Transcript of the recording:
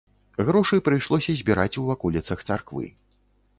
Грошы прыйшлося збіраць у ваколіцах царквы.